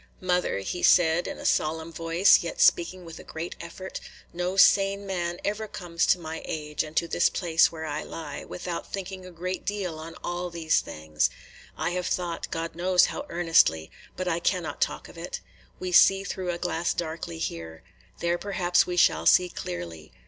"Mother," he said in a solemn voice, yet speaking with a great effort, "no sane man ever comes to my age, and to this place where I lie, without thinking a great deal on all these things. I have thought, – God knows how earnestly, – but I cannot talk of it. We see through a glass darkly here. There perhaps we shall see clearly.